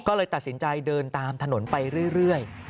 ก็เลยตัดสินใจเดินตามถนนไปเรื่อย